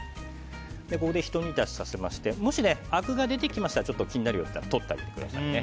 ここでひと煮立ちさせましてもし、あくが出てきましたら気になるようだったらとってあげてくださいね。